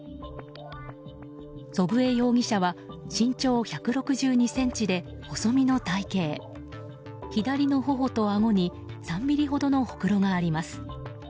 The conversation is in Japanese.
祖父江容疑者は身長１６２ｃｍで細身の体形左の頬とあごに３ｍｍほどのほくろがあります。